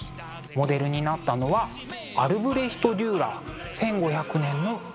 モデルになったのはアルブレヒト・デューラー「１５００年の自画像」。